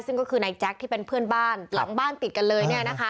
ซึ่งก็คือนายแจ๊คที่เป็นเพื่อนบ้านหลังบ้านติดกันเลย